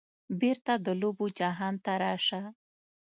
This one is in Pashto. بیرته د لوبو جهان ته راشه